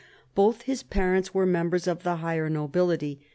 Both his parents were members of the higher nobility.